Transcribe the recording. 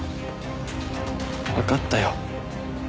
わかったよ。